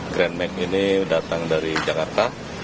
grand make ini datang dari jakarta